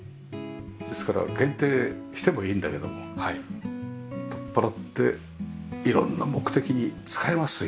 ですから限定してもいいんだけども取っ払って色んな目的に使えますという事ですよね。